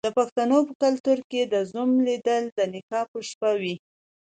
د پښتنو په کلتور کې د زوم لیدل د نکاح په شپه وي.